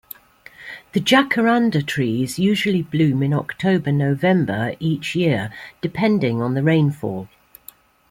The Jacaranda trees usually bloom in October-November each year, depending on the rainfall.